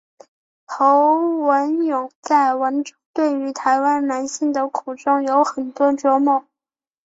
侯文咏在文中对于台湾男性的苦衷有多琢磨。